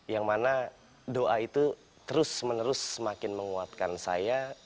yang mana doa itu terus menerus semakin menguatkan saya